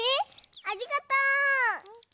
ありがとう！